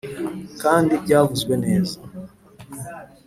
kandi, byavuzwe neza